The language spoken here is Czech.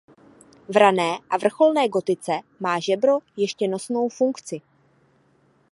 V rané a vrcholné gotice má žebro ještě nosnou funkci.